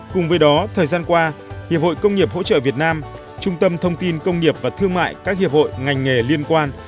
cùng với đó thời gian qua hiệp hội công nghiệp hỗ trợ việt nam trung tâm thông tin công nghiệp và thương mại các hiệp hội ngành nghề liên quan